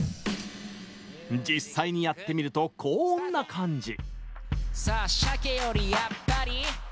実際にやってみるとこんな感じ。